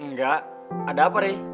enggak ada apa rey